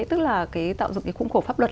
tức là tạo dựng cái khung khổ pháp luật